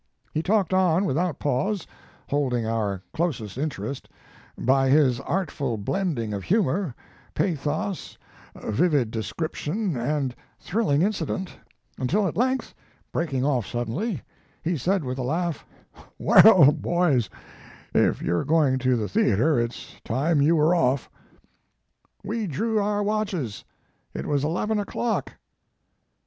He talked on without pause, holding our closest inter est, by his artful blending of humor, pathos, vivid description and thrilling incident, until at length, breaking off suddenly, he said with a laugh: /Well, boys, if you re going to the theater, it s time you were off." We drew our watches. It was eleven o clock."